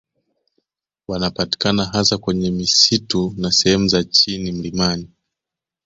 Wanapatikana hasa kwenye misitu na sehemu za chini mlimani